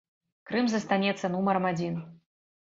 Крым застанецца нумарам адзін.